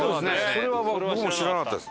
それは僕も知らなかったです。